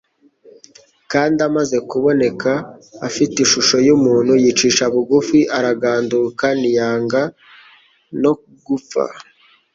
kandi amaze kuboneka afite ishusho y'umuntu yicisha bugufi araganduka ntiyanga no gupfa